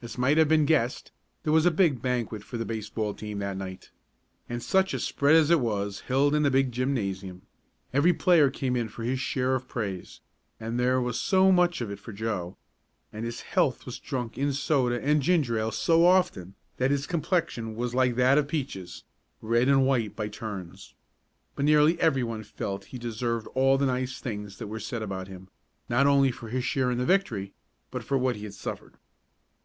As might have been guessed, there was a big banquet for the baseball team that night. And such a spread as it was, held in the big gymnasium. Every player came in for his share of praise, and there was so much of it for Joe; and his health was drunk in soda and ginger ale so often that his complexion was like that of Peaches' red and white by turns. But nearly everyone felt that he deserved all the nice things that were said about him, not only for his share in the victory, but for what he had suffered.